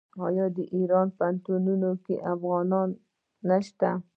آیا د ایران په پوهنتونونو کې افغانان نشته؟